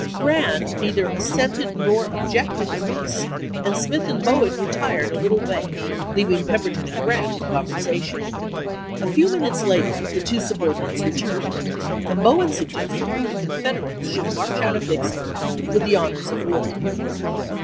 Grant neither assented nor objected to this, and Smith and Bowen retired a little way, leaving Pemberton and Grant in conversation. A few minutes later the two subordinates returned, and Bowen suggested that the Confederates should march out of Vicksburg with the honors of war.